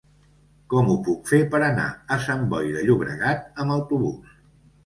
Com ho puc fer per anar a Sant Boi de Llobregat amb autobús?